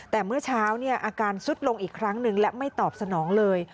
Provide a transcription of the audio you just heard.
แต่เมื่อเช้าอาการสุดลงอีกครั้งหนึ่งและไม่ตอบสนองเลย